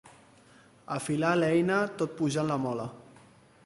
Afilar l'eina tot pujant la Mola.